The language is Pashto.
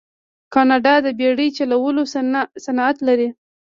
کاناډا د بیړۍ چلولو صنعت لري.